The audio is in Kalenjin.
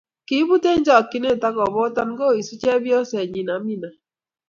Kiibut eng chokchine akobotan kowisu chepyose nyi Amina,